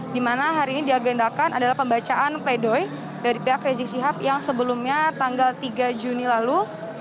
di mana hari ini diagendakan adalah pembacaan pledoy dari pihak rizik syihab yang sebelumnya tanggal tiga juni lalu